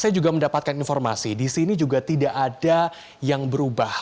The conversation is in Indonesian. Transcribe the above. saya juga mendapatkan informasi di sini juga tidak ada yang berubah